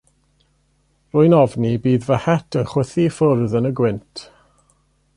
Rwy'n ofni bydd fy het yn chwythu i ffwrdd yn y gwynt.